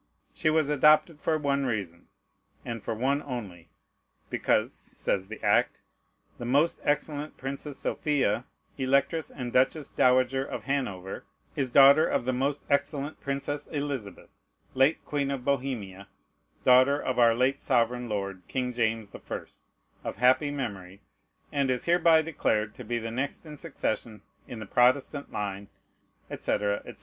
She was adopted for one reason, and for one only, because, says the act, "the most excellent Princess Sophia, Electress and Duchess Dowager of Hanover, is daughter of the most excellent Princess Elizabeth, late Queen of Bohemia, daughter of our late sovereign lord King James the First, of happy memory, and is hereby declared to be the next in succession in the Protestant line," &c., &c.